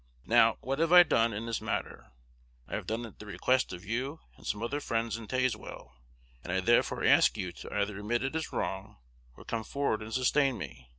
Now, what I have done in this matter, I have done at the request of you and some other friends in Tazewell; and I therefore ask you to either admit it is wrong, or come forward and sustain me.